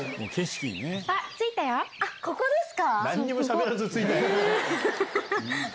ここですか？